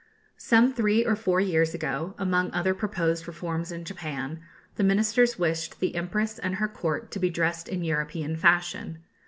Some three or four years ago, among other proposed reforms in Japan, the Ministers wished the Empress and her Court to be dressed in European fashion.